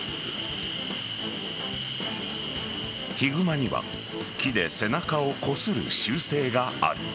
ヒグマには木で背中をこする習性がある。